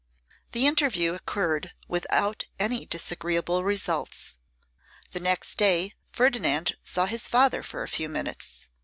The interview occurred without any disagreeable results. The next day, Ferdinand saw his father for a few minutes.